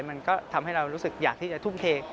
มันก็ทำให้เรารู้สึกอยากที่จะทุ่มเท